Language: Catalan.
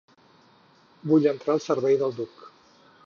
Vull entrar al servei del duc.